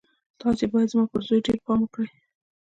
تاسې بايد زما پر زوی ډېر پام وکړئ.